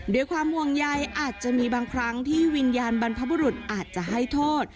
ด้วยความห่วงใยอาจจะมีบางครั้งที่วิญญาณบรรพบุรุษอาจจะให้โทษ